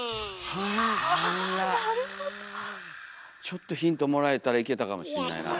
ちょっとヒントもらえたらいけたかもしれないな。